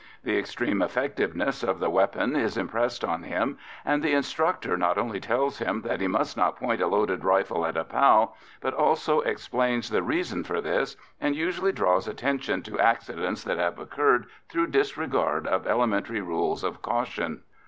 The extreme effectiveness of the weapon is impressed on him, and the instructor not only tells him that he must not point a loaded rifle at a pal, but also explains the reason for this, and usually draws attention to accidents that have occurred through disregard of elementary rules of caution.